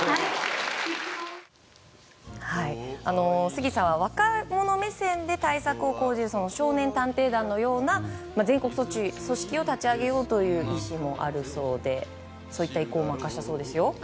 杉さんは若者目線で対策を講じる少年探偵団のような全国組織を立ち上げようという意思もあるそうでそういった意向を明かしたそうですよ。